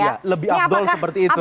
iya lebih afdol seperti itu